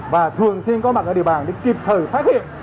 và thường xuyên có mặt ở địa bàn để kịp thời phát hiện